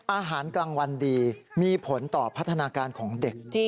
อาหารกลางวันดีมีผลต่อพัฒนาการของเด็ก